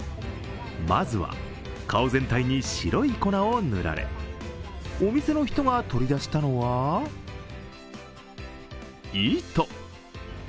まずは顔全体に白い粉を塗られお店の人が取り出したのは、糸。